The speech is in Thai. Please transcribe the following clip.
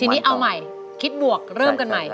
ทีนี้เอาใหม่คิดบวกเริ่มกันใหม่